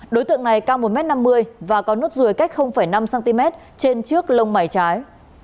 đối tượng này cao một m năm mươi và có nốt ruồi cách năm cm trên trước lông mày trái